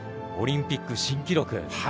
オリンピック新記録。